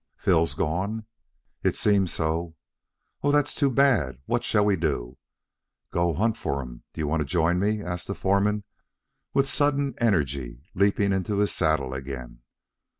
"Phil gone?" "It seems so." "Oh, that's too bad. What shall we do?" "Go hunt for him. Do you want to join me?" asked the foreman, with sudden energy, leaping into his saddle again.